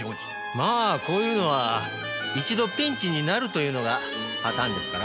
まあこういうのは一度ピンチになるというのがパターンですから。